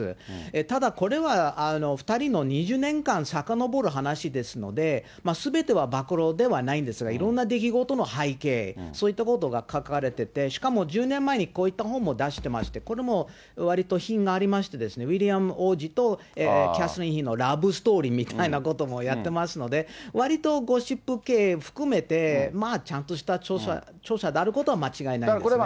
ただ、これは２人の２０年間さかのぼる話ですので、すべては暴露ではないんですが、いろんな出来事の背景、そういったことが書かれてて、しかも１０年前にこういった本も出してまして、これも割と品がありましてですね、ウィリアム王子とキャサリン妃のラブストーリーみたいなこともやってますので、わりとゴシップ系含めて、まあ、ちゃんとした著者であることは間違いないですね。